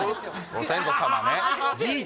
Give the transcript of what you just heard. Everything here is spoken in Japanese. ご先祖様ね